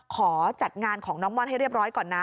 ขอจัดงานของน้องม่อนให้เรียบร้อยก่อนนะ